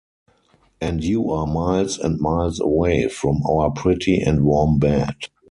And you are miles and miles away from your pretty and warm bed.